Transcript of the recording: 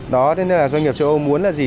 đó thế nên là doanh nghiệp châu âu muốn là gì